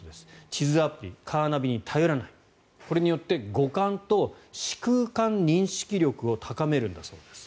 地図アプリ、カーナビに頼らないこれによって五感と視空間認識力を高めるんだそうです。